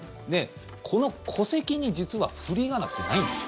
この戸籍に実は、振り仮名ってないんです。